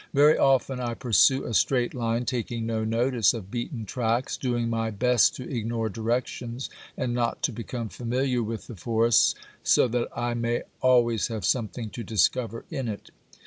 Very often I pursue a straight line, taking no notice of beaten tracks, doing my best to ignore directions, and not to become familiar with the forest, so that I may always have something to discover in it.